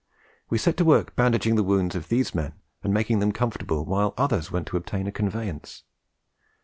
We set to work bandaging the wounds of these men and making them comfortable while others went to obtain a conveyance.